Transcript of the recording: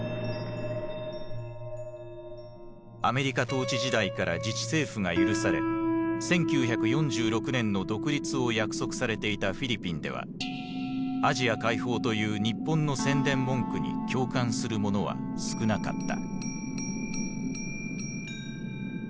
アメリカ統治時代から自治政府が許され１９４６年の独立を約束されていたフィリピンではアジア解放という日本の宣伝文句に共感する者は少なかった。